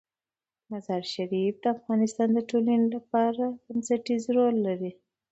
مزارشریف د افغانستان د ټولنې لپاره بنسټيز رول لري.